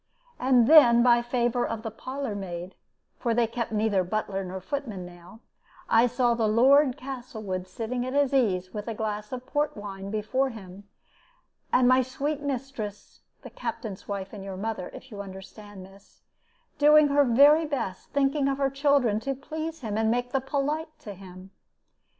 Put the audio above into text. And then, by favor of the parlor maid for they kept neither butler nor footman now I saw the Lord Castlewood, sitting at his ease, with a glass of port wine before him, and my sweet mistress (the Captain's wife, and your mother, if you understand, miss) doing her very best, thinking of her children, to please him and make the polite to him.